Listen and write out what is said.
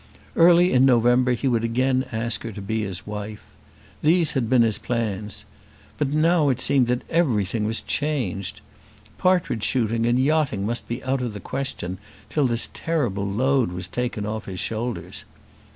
Early in November he would again ask her to be his wife. These had been his plans. But now it seemed that everything was changed. Partridge shooting and yachting must be out of the question till this terrible load was taken off his shoulders.